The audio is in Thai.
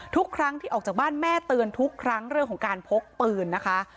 ทุกครั้งที่ออกจากบ้านแม่เตือนทุกครั้งเรื่องของการพกปืนนะคะ